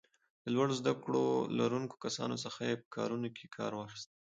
د لوړو زده کړو لرونکو کسانو څخه یې په کارونو کې کار واخیست.